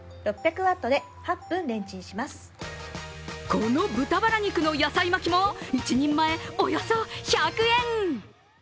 この豚バラ肉の野菜巻きも１人前およそ１００円。